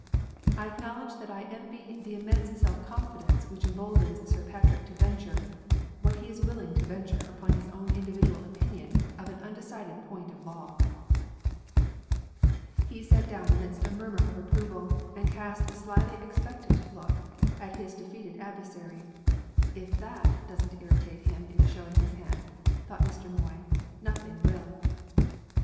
I acknowledge that I envy the immense self confidence which emboldens Sir Patrick to venture, what he is willing to venture upon his own individual opinion on an undecided point of law." He sat down amidst a murmur of approval, and cast a slyly expectant look at his defeated adversary. "If that doesn't irritate him into showing his hand," thought Mr. Moy, "nothing will!"